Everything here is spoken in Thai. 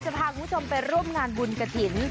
พาคุณผู้ชมไปร่วมงานบุญกระถิ่น